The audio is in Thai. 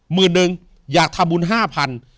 หมื่นนึงอยากทำบุญ๕๐๐๐